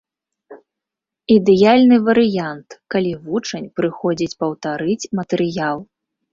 Ідэальны варыянт, калі вучань прыходзіць паўтарыць матэрыял.